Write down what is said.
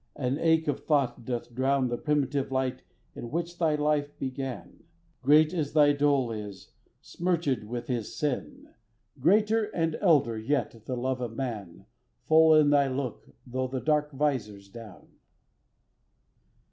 and ache of thought doth drown The primitive light in which thy life began; Great as thy dole is, smirchèd with his sin, Greater and elder yet the love of man Full in thy look, tho' the dark visor 's down.